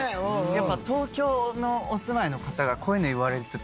やっぱ東京のお住まいの方がこういうの言われると。